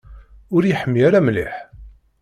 Ur yeḥmi ara mliḥ.